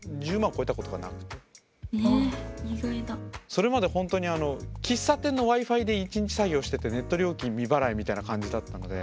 それまで本当に喫茶店のＷｉ−Ｆｉで一日作業しててネット料金未払いみたいな感じだったので。